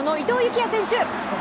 季也選手。